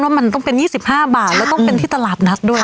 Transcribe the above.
มันต้องเป็น๒๕บาทแล้วต้องเป็นที่ตลาดนัดด้วย